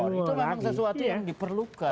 itu memang sesuatu yang diperlukan